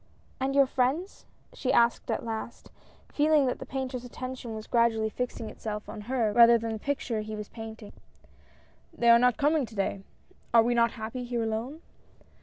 " And your friends ?" she asked at last, feeling that the painter's attention was gradually fixing itself on her rather than on the picture he was painting. HOPES. 169 " They are not coming to day ! Are we not happy here alone